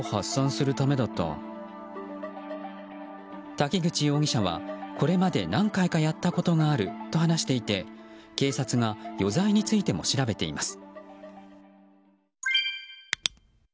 滝口容疑者はこれまで何回かやったことがあると話していて警察が余罪についても調べています。